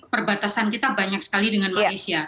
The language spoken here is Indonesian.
perbatasan kita banyak sekali dengan malaysia